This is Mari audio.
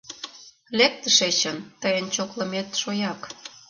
— Лек тышечын, тыйын чоклымет — шояк.